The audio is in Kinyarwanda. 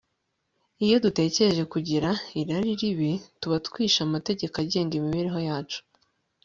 iyo dukomeje kugira irari ribi, tuba twishe amategeko agenga imibereho yacu